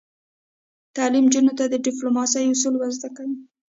تعلیم نجونو ته د ډیپلوماسۍ اصول ور زده کوي.